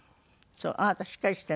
あなたしっかりしてるの？